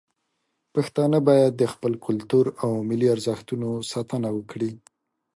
پښتانه باید د خپل کلتور او ملي ارزښتونو ساتنه وکړي.